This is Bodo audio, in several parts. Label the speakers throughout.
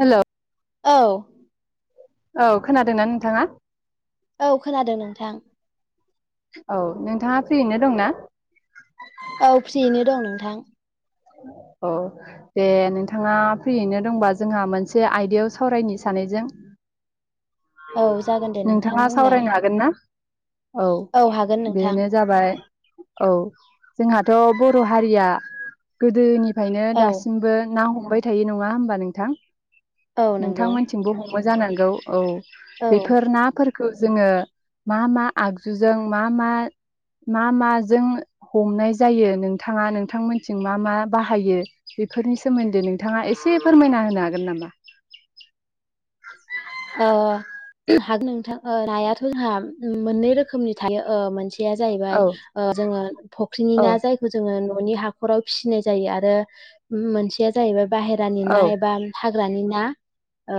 Speaker 1: हेलौ
Speaker 2: औ।
Speaker 1: औ खोनादोंना नोंथाङा।
Speaker 2: औ खोनादों नोंथां।
Speaker 1: औ नोंथाङा फ्रियैनो दंना।
Speaker 2: औ फ्रियैनो दं नोंथां।
Speaker 1: औ दे नोंथाङा फ्रियैनो दंबा जोंहा मोनसे आयदायाव सावरायनो सानैजों
Speaker 2: औ जागोन दे नोंथां
Speaker 1: नोंथाङा
Speaker 2: बुंलाय
Speaker 1: सावरायनो हागोनना? औ
Speaker 2: हागोन नोंथां
Speaker 1: बेनो जाबाय। औ। जोंहाथ' बर' हारिया। गोदोनि गोदोनिफ्रायनो
Speaker 2: औ
Speaker 1: दासिमबो ना हम हमबाय थायो नङा होमबा नोंथां?
Speaker 2: औ नंगौ
Speaker 1: नोंथांमोनथिंबो हम हमो जानांगौ औ।
Speaker 2: औ
Speaker 1: बेफोर नाफोर जोङो मा मा आगजुजों मा मा मा माजों हमनाय जायो नोंथाङा नोंथांमोनथिं मा मा बाहायो बेफोरनि सोमोन्दै नोंथाङा एसे फोरमायना होनो हागोन नामा?
Speaker 2: औ औ हागोन नोंथां नायाथ' जोंहा मोननै रोखोमनि थायो मोनसे जाहैबाय
Speaker 1: औ
Speaker 2: ओ जोङो फुख्रिनि
Speaker 1: औ
Speaker 2: ना जायखौ जोङो। हाख'राव फिसिनाय जायो आरो मोनसेया जाहैबाय बाहहेरानि
Speaker 1: औ
Speaker 2: ना एबा हाग्रानि ना ना औ।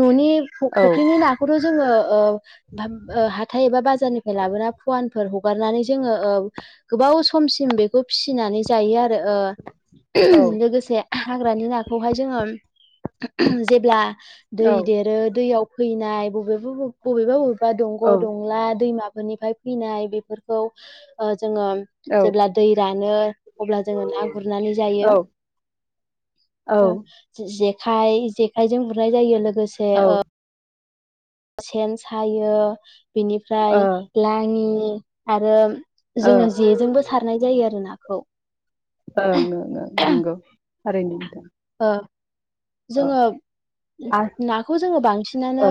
Speaker 2: न'नि
Speaker 1: औ
Speaker 2: फुख्रिनि नाखौथ' जोङो ओ ओ हाथाय एबा बाजारनिफ्राय लाबोना फुवान फोर हगारनानै जोङो गोबाव समसिम बेखौ फिसिनानै जायो आरो आरो ओ लोगोसे हाग्रानि नाखौहाय जोङो जेब्ला दै
Speaker 1: औ
Speaker 2: देरो दैयाव फैनाय बबेबा बबे बबेबा बबे बा दंग
Speaker 1: औ
Speaker 2: दंला दैमा फोरनिफ्राय फैनाय बेफोरखौ ओ जोङो जेब्ला दै रान नो अब्ला जोङो ना गुरनानै
Speaker 1: औ
Speaker 2: जायो ओ जे जे खाइ जेखायजों गुर नाय जायो लोग गोसे ओ सेन सायो बिनिफ्राय
Speaker 1: ओं
Speaker 2: लाङि आरो
Speaker 1: ओं
Speaker 2: जोङो जेजोंबो सारनाय जायो आरोना खौ
Speaker 1: ओं ओं ओं नोंगौ थारैनो नोंथां
Speaker 2: अ
Speaker 1: औ
Speaker 2: जोङो
Speaker 1: आ
Speaker 2: नाखौ जोङो बांसिनानो
Speaker 1: औ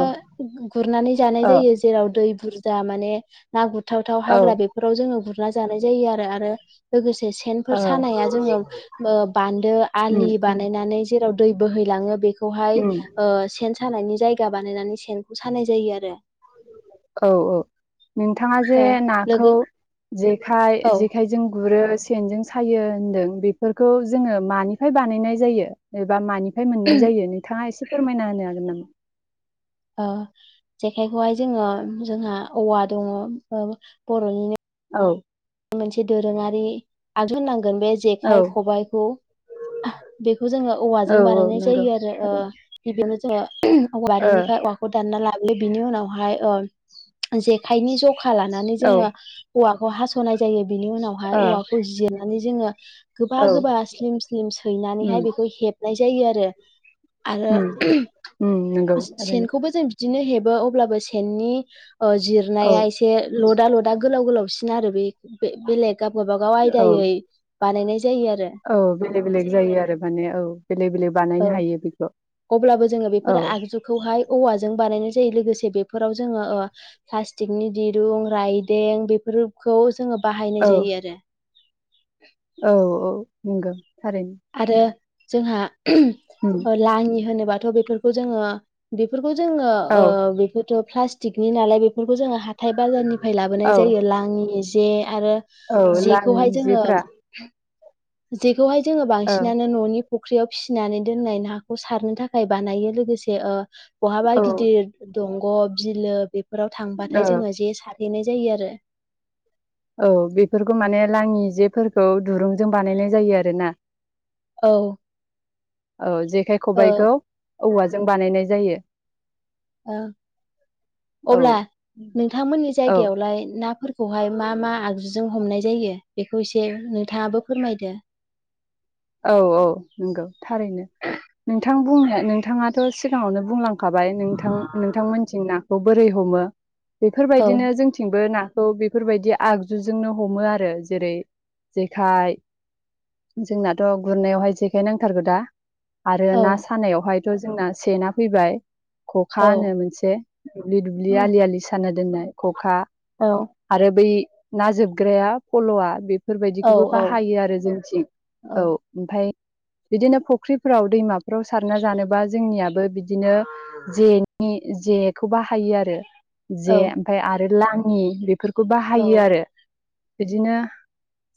Speaker 2: गुरनानै जानाय
Speaker 1: औ
Speaker 2: जायो जेराव दै बुर जा माने ना गुर थावथाव
Speaker 1: औ
Speaker 2: हाग्रा बेफोराव जोंङो गुर ना जानाय जायो आरो आरो लोगोसे बे सेनफोर
Speaker 1: औ
Speaker 2: सानाया जोंङो ओ बान्दो
Speaker 1: उम
Speaker 2: आलि
Speaker 1: उम
Speaker 2: बानायनानै जेराव दै बोहैलाङो बेखौ खौ हाय
Speaker 1: उम
Speaker 2: ओ सेन‌ सानायनि जाय गा बानायनानै सेनखौ सानाय जायो आरो
Speaker 1: औ औ नोंथाङा जे
Speaker 2: ओ
Speaker 1: नाखौ
Speaker 2: लोगो
Speaker 1: जेखाय
Speaker 2: औ
Speaker 1: जेखायजों गुरो सेनजों सायो होन्दों बेफोरखौ जोङो मानिफ्राय बानायनाय जायो एबा मानि फ्राय मोननाय जायो नोंथाङा एसे फोरमायना होनो हागोन नामा
Speaker 2: ओ जेखायखौहाय जोङो जोंहा औवा दङ ओ बरनिनो
Speaker 1: औ
Speaker 2: मोनसे दोरोङारि आगजु होनांगौ गोन बे
Speaker 1: औ
Speaker 2: जेखाय खबायखौ बेखौ जों
Speaker 1: औ
Speaker 2: औवाजों
Speaker 1: औ
Speaker 2: बानायनाय
Speaker 1: नंगौ
Speaker 2: जायो आरो ओ
Speaker 1: थारैनो
Speaker 2: गिबियावनो जा
Speaker 1: ओ औ
Speaker 2: बारिनिफ्राय औवाखौ दानना लाबो बिनि उनावहाय जेखायनि जखा लानानै
Speaker 1: ओ
Speaker 2: जोङो औवाखौ हास सनाय जायो बिनि उनावहाय
Speaker 1: औ
Speaker 2: औवाखौ जिर नानै जोङो गोबा गोबा स्लिम स्लिम
Speaker 1: उम
Speaker 2: सैनानैहाय बेखौ हेबनाय जायो आरो। आरो
Speaker 1: उम उम नंगौ थारैनो
Speaker 2: सेनखौबो जों बिदिनो हेबो अब्लाबो सेननि
Speaker 1: औ
Speaker 2: जिरनाया एसे लड दा लदा गोलाव गोलावसिन आरो बे बे बेलेग गाव गावबागाव
Speaker 1: औ
Speaker 2: आयदायै बानायनाय जायो आरो
Speaker 1: औ बेलेग बेलेग जायो आरो माने औ बेलेग बेलेग बानायनो
Speaker 2: औ
Speaker 1: हायो बेखौ।
Speaker 2: अब्लाबो जोङो
Speaker 1: औ
Speaker 2: बेफोर आगजुखौहाय औवाजों बानायनाय जायो लोगोसे बेफोराव जों प्लास्थिकनि दुरूं राज्यों बेफोरखौ जों बाहायनाय
Speaker 1: औ
Speaker 2: जायो आरो।
Speaker 1: औ औ। नंगौ। थारैनो।
Speaker 2: आरो जोंहा
Speaker 1: उम
Speaker 2: लाङि होनोबा थ' बेफोरखौ जोङो बेफोरखौ जोङो
Speaker 1: औ
Speaker 2: बे प्लास्टिकनि नालाय बेफोरखौ जों ह हाइ बाजारनिफ्राय लाबोनाय
Speaker 1: औ
Speaker 2: जायो लाङि जे आरो
Speaker 1: औ लाङि
Speaker 2: जेखौहाय जोङो
Speaker 1: जिफ्रा
Speaker 2: जे बेखौहाय जोङो
Speaker 1: औ
Speaker 2: बांसिनानो न'नि फुख्रियाव फिसिनानै दोननाय नाखौ सारनो थाखाय बानायो लोगोसे ओ बहाबा
Speaker 1: औ
Speaker 2: गिदिर गब बिलो बे बेफोराव
Speaker 1: औ
Speaker 2: थांबाथाय जोङो जे सार देनाय जायो आरो।
Speaker 1: औ बेफोरखौ माने लाङि जेफोरखौ दुरुंजों बानायनाय जायो आरोना।
Speaker 2: औ।
Speaker 1: औ जे बेे खबायखौ
Speaker 2: औ
Speaker 1: औवाजों बानायनाय जायो।
Speaker 2: ओ
Speaker 1: औ
Speaker 2: अब्ला नोंथांमोननि
Speaker 1: औ
Speaker 2: जायगायावलाय नाफोर खौहाय मा मा आगजुजों हमनाय जायो बेखौ एसे नोंथाङाबो फोरमायदो।
Speaker 1: औ औ नंगौ थारैनो नोंथां बुं नोंथाङाथ' सिगाङावनो बुंलां खाबाय नोंथां नोंथांमोन थिं नाखौ बोरै हमो?
Speaker 2: औ
Speaker 1: बेफोरबायदिनो जोंथिंबो ना खौ बेफोरबायदि आगजुजोंनो हमो आरो जेरै जेखाइ जोंना थ' गुरनायावहाय जेखाय नांथारगौ दा। आरो
Speaker 2: औ
Speaker 1: ना सानायावहाय थ' जोंना सेना फैबाय। खखा
Speaker 2: औ
Speaker 1: होनो मोनसे दुब्लि दुब्लि
Speaker 2: औ
Speaker 1: आलि आलि साना दोननाय खखा
Speaker 2: औ
Speaker 1: आरो बै ना जोबग्राया फल'आ बे
Speaker 2: औ
Speaker 1: फोरबायदिखौबो
Speaker 2: औ
Speaker 1: औ ओमफाय बिदिनो फख्रिफोराव दैमा फ्राव सारना जानोबा जोंनिया हो बिदिनो जेनि जेखौ बाहायो आरो।
Speaker 2: औ
Speaker 1: जे ओमफाय आरो लां [unintelligible] फोरखौ बाहायो आरो। बिदिनो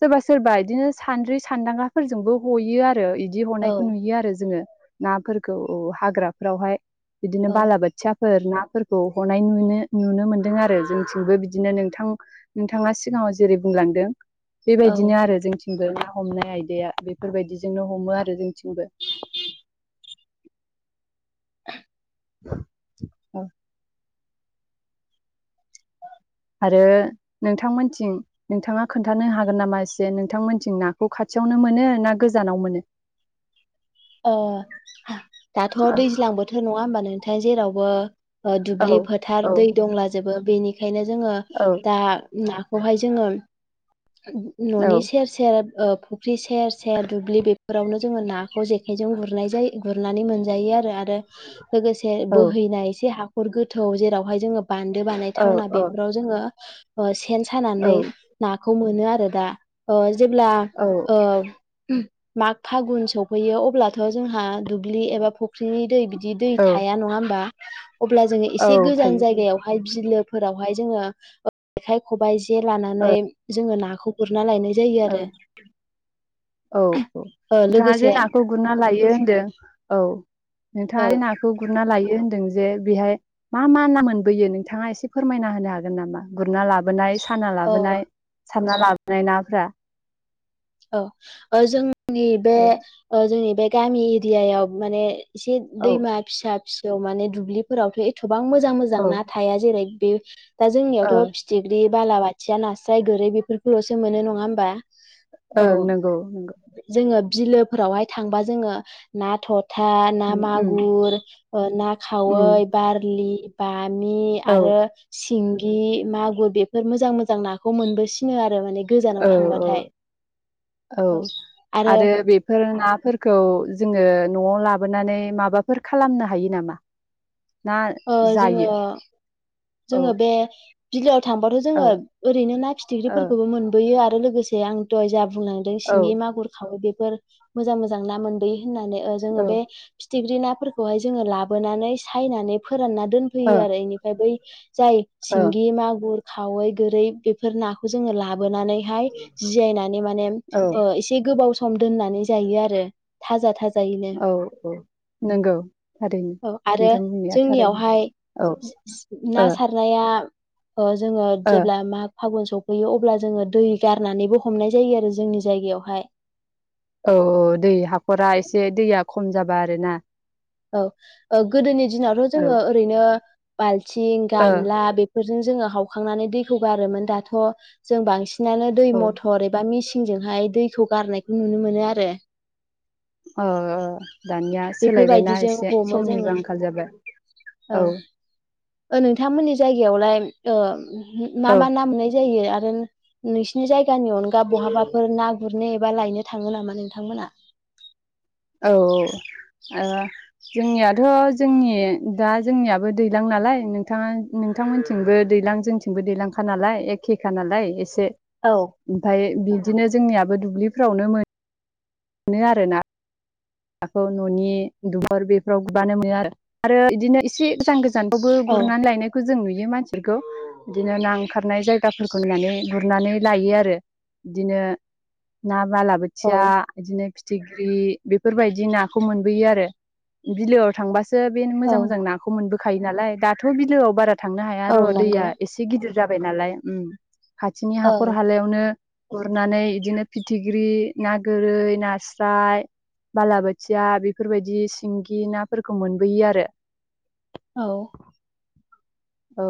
Speaker 1: सोरबा सोरबा इदिनो सानद्रि सानदांगा फोरजोंबो हयो आ इदि हनायखौ
Speaker 2: औ
Speaker 1: नुयो आरो जोङो। नाफोरखौ हाग्राफोरावहाय बिदिनो बालाबोथिया फोर नाफोरखौ हनाय नुनो नुनो मोनदों आरो जोंथिंबो बिदिनो नोंथां नोंथाङा सिगाङाव जेरै बुंलांदों
Speaker 2: औ
Speaker 1: बेबायदिनो आरो जोंथि [unintelligible] ना हमनाय आयदाया बेफोरबायदिजोंनो हमो आरो जोंनिथिंबो
Speaker 2: [inaudible]
Speaker 1: [unintelligible] औ आरो नोंथांमोनथिं नोंथाङा खोन्थानो हागोन नामा एसे नोंथांमोनथिं नाखौ खाथियावनो मोनो ना गोजानाव मोनो?
Speaker 2: ओ दाथ' दैज्लां बोथोर नङा होमबा नों [unintelligible] जेरावबो ओ
Speaker 1: औ
Speaker 2: दुब्लि
Speaker 1: औ
Speaker 2: फोथार दै दंला जोबो बेनि बेखायनो जोङो
Speaker 1: औ
Speaker 2: दा ना बेवहाय जोङो न'नि सेर सेर ओ फुख्रि सेर सेर दुब्लि बेफोरावनो जोङो ना खौ जेखायजों गुरनाय जाय गुरनानै मोनजायो आरो आरो लोगोसे बोहैनाय एसे हा हाखर गोथौ जेरावहाय जोङो बान्दो
Speaker 1: औ
Speaker 2: बानायथावना बेफोराव जोङो [unintelligible] सेन
Speaker 1: औ
Speaker 2: सानानै नाखौ मो मोनो आरो दा [unintelligible] जेब्ला
Speaker 1: औ
Speaker 2: ओ माग फागुुन सौ फैयो अब्लाथ' जोंहा दुब्लि एबा फुख्रिनि दै बिद दि दै
Speaker 1: औ
Speaker 2: थाया नङा होमबा अब्ला जोङो एसे
Speaker 1: औ
Speaker 2: गोजान
Speaker 1: थायो थायो
Speaker 2: जायगायावहाय बिलो फोरावहाय जोङो ओ जेखाइ खबायाइ जे
Speaker 1: औ
Speaker 2: लानानै जोङो ना खौ गुर गुरना लायनाय जायो
Speaker 1: औ
Speaker 2: आरो
Speaker 1: औ औ
Speaker 2: ओ
Speaker 1: नोंथाङा जे
Speaker 2: लोगोसे
Speaker 1: ना खौ गुरना लायो होनदों औ
Speaker 2: औ
Speaker 1: नोंथाङा नाखौ गुरना लायो होनदों जे बेहाय मा मा ना मोनबोयो नोंथाङा एसे फोरमायना होनो हागोन नामा गुरना लाबोनाय खाना
Speaker 2: औ
Speaker 1: लाबोनाय सारना लाबोनाय नाफोरा
Speaker 2: औ ओ जों नि बे
Speaker 1: औ
Speaker 2: जोंनि बे गामि एरियायाव माने एसे
Speaker 1: औ
Speaker 2: दैमा फिसा फिसायाव माने दुब्लिफोरावथ' ए थबां मोजां मोजां
Speaker 1: औ
Speaker 2: ना थाया जेरै बे दा
Speaker 1: ओ
Speaker 2: जोंनियावथ' फिथिख्रि बालाबाथिया नास्राय गोरै बेफोरखौल'सो मोनो नङा होमबा
Speaker 1: ओं
Speaker 2: औ
Speaker 1: नंगौ नंगौ
Speaker 2: जोङो बिलोफोरावहाय थांबा जोङो ना थ था ना
Speaker 1: उम उम
Speaker 2: मागुर ना
Speaker 1: उम
Speaker 2: खावै बारलि बामि
Speaker 1: औ
Speaker 2: आरो सिं गि मागुर बेफोर मोजां मोजां मोजां नाखौ मोनबोसिनो आरो माने
Speaker 1: औ
Speaker 2: गोजानाव
Speaker 1: औ
Speaker 2: थांबाथाय
Speaker 1: औ आरो बेफोर नाफोरखौ जोङो ओ न'आव लाबोनानै माबाफोर खालामनो हायो नामा ना
Speaker 2: ओ जोङो
Speaker 1: जायो
Speaker 2: जोङो
Speaker 1: औ
Speaker 2: बे बिलो आव थांबाथ'
Speaker 1: औ
Speaker 2: जोङो ओरैनो ना
Speaker 1: ओ
Speaker 2: फिथिख्रिफोरखौबो मोनबोयो आरो लोगोसे जे आं दहाय जाब बुंलांदों सिंगि
Speaker 1: औ
Speaker 2: मागुर खावै बे फोर मोजां मोजां ना मोबैयो होननानै
Speaker 1: औ
Speaker 2: जोङो
Speaker 1: ओ
Speaker 2: बे फिथिख्रि ना फोरखौहाय जोंङो लाबोनानै सायनानै फो फोरानना दोनफैयो आरो बेनिफाय बै [inaudible] जाय
Speaker 1: ओ
Speaker 2: सिंगि मागुर खावै गोरै बेफोर नाखौ जोङो लाबो बोनानै हाय जियाय नानै माने
Speaker 1: औ
Speaker 2: एसे गोबाव सम दोननानै जायो आरो थाजा थाजा
Speaker 1: औ औ नंगौ थारैनो
Speaker 2: औ आरो
Speaker 1: नोंथांनिया
Speaker 2: जोंनियावहाय
Speaker 1: थारैनो औ
Speaker 2: ना
Speaker 1: ओ
Speaker 2: सारनाया बा जोङो
Speaker 1: औ
Speaker 2: जेब्ला माग फागुन सफैयो अब्ला जोङो दै गारनानैबो हमनाय जायो आरो जोंनि जायगायावहाय
Speaker 1: औ औ दै हाख'रा एसे दैया खम जाबा आरोना
Speaker 2: औ औ गोदोनि दिनावथ'
Speaker 1: औ ओ
Speaker 2: जोङो ओरैनो बाल्थिं
Speaker 1: औ
Speaker 2: गामला बेफोरजों जोङो हावखांनानै दैखौ गारोमोन दाथ' जों बांसिन बिसिानो दै
Speaker 1: ओ
Speaker 2: मथर एबा मिसिन ंजोंहाय दैखौ गारनायखौ नुनो मोनो आरो
Speaker 1: अ औ दानिया सोलायबायना
Speaker 2: बेफोरबायदिजों
Speaker 1: एसे
Speaker 2: हमो जोङो
Speaker 1: समनिबो आंखाल जाबाय औ
Speaker 2: नोंथांमोननि जायगायावलाय मा
Speaker 1: औ
Speaker 2: मा ना मोननाय जायो आरो नसनो जाय नि अनगा बहाबाफोर ना गुरनोबा बा लायनो थाङो नामा नोंथांमोना
Speaker 1: औ जोंनियाथ' जोंनि दा जोंनियाबो दैज्लां नालाय नोंथाङा नोंथांमोनथिंबो दैज्लां जोंथिंबो दैलांखा नालाय एखेखा नालाय एसे
Speaker 2: औ
Speaker 1: ओमफफ्राय बिदिनो जोंनिया ो दुब्लिफ्रावनो मोनो मोनो आरोना नाखौ न'नि दुबुर बेफोराव गबानो मोनो आरो आरो बिदिनो एसे गोजान गोजान गोजानावबो
Speaker 2: औ
Speaker 1: गुरनानै लायनायखौ जों नुयो बि मानसिफोरखौ बिदिनो ना ओंखारनाय जायगाफोरखौ होननानै गुरनानै लायो आरो बिदिनो न
Speaker 2: औ
Speaker 1: मालाबोोथिया बिदिनो थिग्रि बे बेफोरबायदि नाखौ मोनबोयो आरो बिलोआव थांबासो बेनो मोजां मोजां नाखौ मोनबो होखायो नालाय दाथ' बिलोआव बारा थांनो हाया
Speaker 2: औ
Speaker 1: र'
Speaker 2: नंगौ
Speaker 1: दैया एसे गिदिर जाबाय नाल ओम खाथिनि
Speaker 2: औ
Speaker 1: हाखर हालायावनो गुरनानै इदिनो फिथिग्रि ना गोरै नास्राय बालाबोथिया बेफोरबायदि सिंगि नाफोरखौ मोनबोयो आरो।
Speaker 2: औ
Speaker 1: औ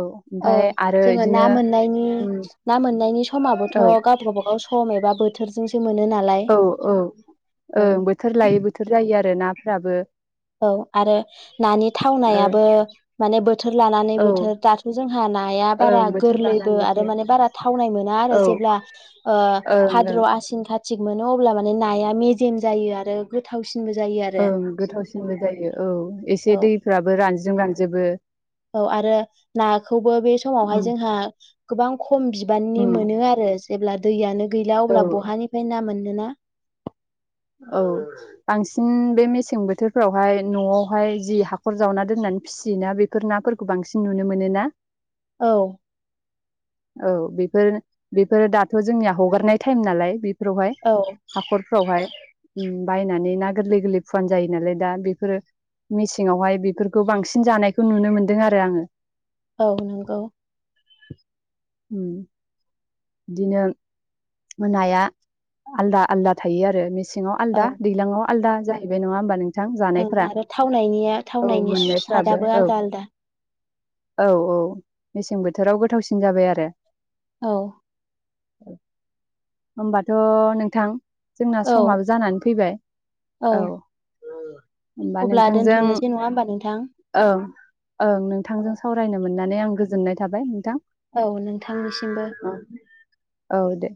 Speaker 2: ओ
Speaker 1: ओमफाय आरो
Speaker 2: जोङो ना
Speaker 1: इदिनो
Speaker 2: मोननायनि
Speaker 1: उम
Speaker 2: ना मोननायनि समाबोथ'
Speaker 1: औ
Speaker 2: गाब गाबागाव सम एबा बोथ थोरजों सो
Speaker 1: औ औ ओं
Speaker 2: औ
Speaker 1: बोथोर लायै बोथोर जायो आरो ना फोराबो
Speaker 2: औ आरो नानि
Speaker 1: ओ
Speaker 2: थावनायाबो माने बोथोर लानानै
Speaker 1: औ
Speaker 2: बोथोर दाथ' जोंहा नाया बारा
Speaker 1: ओं बोथोर
Speaker 2: गोरलैबो
Speaker 1: लानानै
Speaker 2: आरो
Speaker 1: बोथोर
Speaker 2: माने बारा थावनाय मोना आरो
Speaker 1: औ ओं
Speaker 2: जेब्ला ओ
Speaker 1: ओं
Speaker 2: भाद्र' आसिन खाथ थिग मोनो अब्ला माने नाया मेजेम जायो आरो गोथाव
Speaker 1: ओं गोथावसिनबो जायो। औ एसे
Speaker 2: औ
Speaker 1: दैफ्राबो रानजि जों रानजोबो।
Speaker 2: औ आरो नाखौबो बे समावहाय
Speaker 1: उम
Speaker 2: जोंहा गोबां खम बिबाननि
Speaker 1: उम
Speaker 2: मोनो आरो जेब्ला दैयानो गैला
Speaker 1: औ
Speaker 2: अब्ला बहानिफ्राय ना मोन नो ना?
Speaker 1: औ बांसिन बे मेसें बोथोरफोरावहाय न'आवहाय जि हाखर जावना दोननानै फियोना बेफोर नाफोरखौ बांसिन नुनो मोनो ना?
Speaker 2: औ
Speaker 1: औ बेफोर बेफोर दाथ' जोंनिया हगारनाय टाइम नालाय। फोरावहाय
Speaker 2: औ
Speaker 1: हाख'र फ्रावहाय उम बायनानै ना गोरलै गोरलै फुवान जायो नालाय दा बेफोरो मेसेंआववहाय बेफोरखौ बांसिन जानायखौ नुनो मोनदों आरो आङो।
Speaker 2: औ नंगौ।
Speaker 1: उम दिनो ओ नाया आलदा आलदा थायो आरो मेस सेङाव
Speaker 2: औ
Speaker 1: आलदा दैलाङाव आलदा। जाहैबाय नङा होनबा नों
Speaker 2: ओं आरो थावनायनिया थावनायनि सु
Speaker 1: मोननायफ्राबो
Speaker 2: सादाबो
Speaker 1: औ
Speaker 2: आलदा आलदा।
Speaker 1: औ औ मेसें बोथोराव गोथावसिन जाबाय आरो।
Speaker 2: औ
Speaker 1: होनबाथ' नोंथां जोंना
Speaker 2: औ
Speaker 1: समाबो जानानै फैबाय औ। होनबा
Speaker 2: अब्ला
Speaker 1: नोंथांजों
Speaker 2: दोनथ'नोसै नङा होमबा नोंथां?
Speaker 1: ओं ओं नोंथांजों
Speaker 2: औ
Speaker 1: सावरायनो मोननानै आं गोजोननाय थाबाय नोंथां।
Speaker 2: औ नोंथांनिसिमबो।
Speaker 1: औ दे।